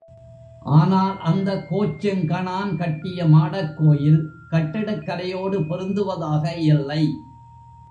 ஆனால் அந்த கோச்செங்கணான் கட்டிய மாடக்கோயில் கட்டிடக் கலையோடு பொருந்துவதாக இல்லை.